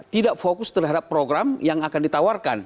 tidak fokus terhadap program yang akan ditawarkan